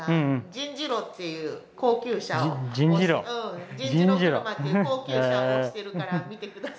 じんじろ車っていう高級車を押してるから見て下さい。